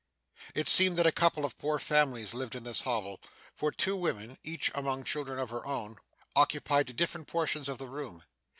It seemed that a couple of poor families lived in this hovel, for two women, each among children of her own, occupied different portions of the room.